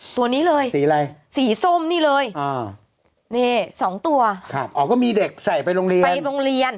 ตัวนี้เลยสีส้มนี่เลยนี่๒ตัวไปโรงเรียนอ๋อก็มีเด็กใส่ไปโรงเรียน